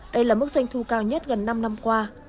đây là mức doanh thu cao nhất gần năm năm qua